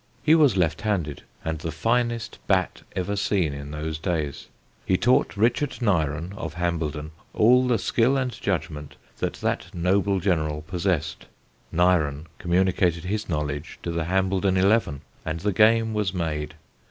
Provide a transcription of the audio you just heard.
He was left handed, and the finest bat ever seen in those days. He taught Richard Nyren, of Hambledon, all the skill and judgment that that noble general possessed; Nyren communicated his knowledge to the Hambledon eleven, and the game was made.